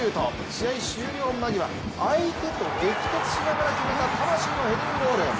試合終了間際、相手と激突しながら決めた魂のヘディングゴール。